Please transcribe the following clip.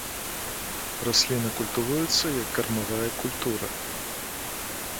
Расліна культывуецца як кармавая культура.